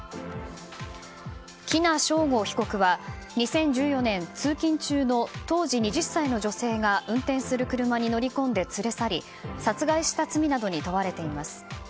喜納尚吾被告は２０１４年通勤中の当時２０歳の女性が運転する車に乗り込んで連れ去り殺害した罪などに問われています。